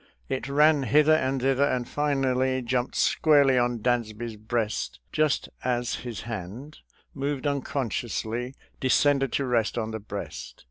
It ran hither and thither, and finally jumped squarely on Dansby's breast just as his hand, moved unconsciously, de scended to rest on the breast.